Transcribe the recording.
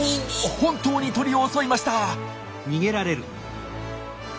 本当に鳥を襲いました。